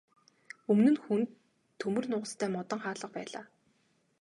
Өмнө нь хүнд төмөр нугастай модон хаалга байлаа.